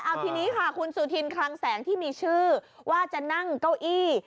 เอาทีนี้ค่ะคุณสุธินคลังแสงที่มีชื่อว่าจะนั่งเก้าอี้